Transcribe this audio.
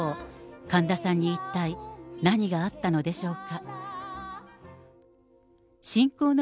神田さんに一体、何があったのでしょうか。